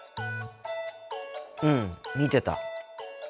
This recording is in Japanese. うん見てた。